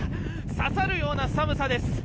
刺さるような寒さです。